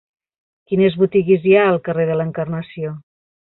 Quines botigues hi ha al carrer de l'Encarnació?